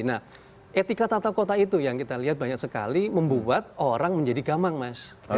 nah etika tata kota itu yang kita lihat banyak sekali membuat orang menjadi gamang mas